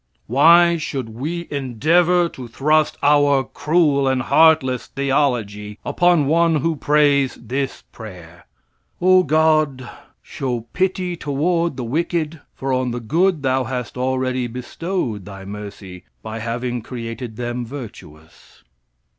Why should we endeavor to thrust our cruel and heartless theology upon one who prays this prayer: "O God, show pity toward the wicked; for on the good thou hast already bestowed thy mercy by having created them virtuous?"